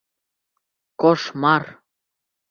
Кошмар!